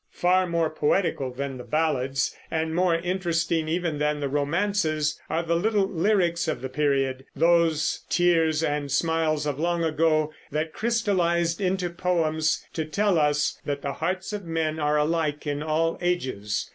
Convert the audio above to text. Far more poetical than the ballads, and more interesting even than the romances, are the little lyrics of the period, those tears and smiles of long ago that crystallized into poems, to tell us that the hearts of men are alike in all ages.